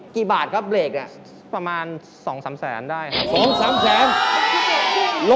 กี่บาทครับเบรกเนี่ยประมาณ๒๓แสนได้ครับ